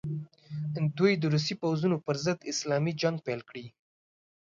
دوی د روسي پوځونو پر ضد اسلامي جنګ پیل کړي.